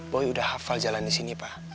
boy udah hafal jalan disini pa